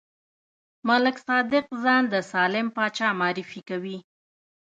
ملک صادق ځان د سالم پاچا معرفي کوي.